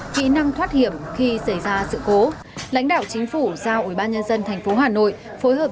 kỹ năng thoát hiểm khi xảy ra sự cố lãnh đạo chính phủ giao ủy ban nhân dân tp hà nội phối hợp